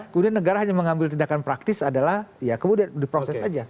kemudian negara hanya mengambil tindakan praktis adalah ya kemudian diproses saja